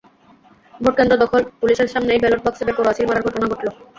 ভোটকেন্দ্র দখল, পুলিশের সামনেই ব্যালট বাক্সে বেপরোয়া সিল মারার ঘটনা ঘটল।